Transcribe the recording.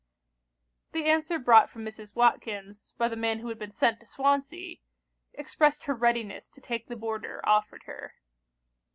The answer brought from Mrs. Watkins, by the man who had been sent to Swansea, expressed her readiness to take the boarder offered her.